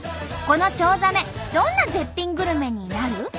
このチョウザメどんな絶品グルメになる？